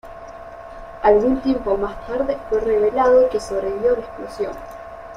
Algún tiempo más tarde fue revelado que sobrevivió a la explosión.